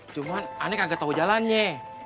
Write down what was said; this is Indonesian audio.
cuman ane kagak tau jalannya